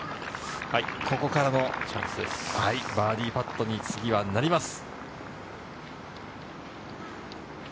ここからのバーディーパットに次はなります。